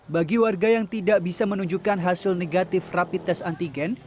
bagi warga yang tidak bisa menunjukkan hasil negatif rapid test antigen